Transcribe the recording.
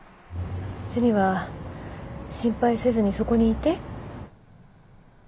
ジュニは心配せずにそこにいて。